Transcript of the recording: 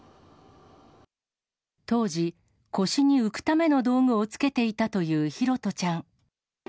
当時、腰に浮くための道具を着けていたという拓杜ちゃん。